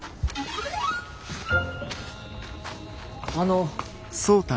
あの。